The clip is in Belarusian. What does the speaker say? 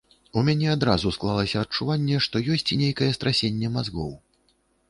У мяне адразу склалася адчуванне, што ёсць нейкае страсенне мазгоў.